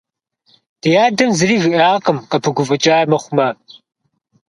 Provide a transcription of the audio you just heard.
Ди адэм зыри жиӀакъым, къыпыгуфӀыкӀа мыхъумэ.